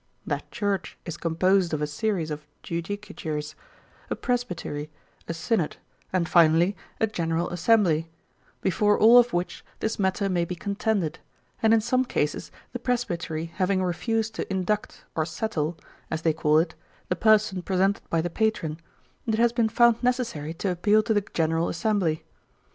That Church is composed of a series of judicatures: a Presbytery, a Synod, and finally, a General Assembly; before all of which, this matter may be contended: and in some cases the Presbytery having refused to induct or settle, as they call it, the person presented by the patron, it has been found necessary to appeal to the General Assembly.